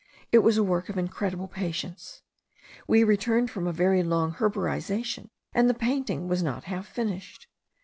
It was a work of incredible patience. We returned from a very long herborization, and the painting was not half finished.